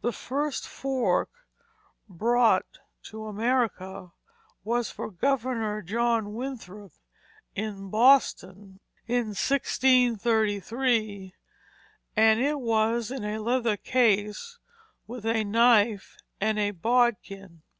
The first fork brought to America was for Governor John Winthrop, in Boston, in 1633, and it was in a leather case with a knife and a bodkin.